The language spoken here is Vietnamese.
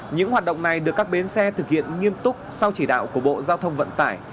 những hoạt động này được các bến xe thực hiện nghiêm túc sau chỉ đạo của bộ giao thông vận tải